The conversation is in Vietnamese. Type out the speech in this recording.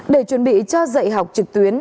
để chuẩn bị cho dạy học trực tuyến